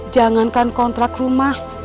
jangankan kontrak rumah